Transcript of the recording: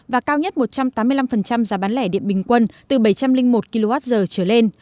và cao nhất một trăm tám mươi năm giá bán lẻ điện bình quân từ bảy trăm linh một kwh trở lên